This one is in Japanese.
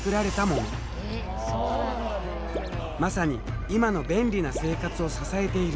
まさに今の便利な生活を支えている。